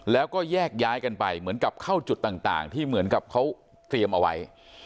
แล้วก็แยกย้ายกันไปเหมือนกับเข้าจุดต่างที่เหมือนกับเขาเตรียมเอาไว้